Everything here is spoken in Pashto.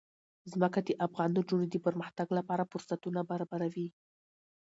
ځمکه د افغان نجونو د پرمختګ لپاره فرصتونه برابروي.